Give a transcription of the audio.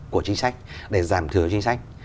của chính sách để giảm thừa chính sách